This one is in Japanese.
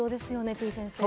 てぃ先生。